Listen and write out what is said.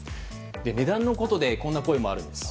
値段のことでこんな声もあるんです。